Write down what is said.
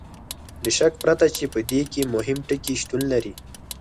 له شک پرته چې په دې کې مهم ټکي شتون لري.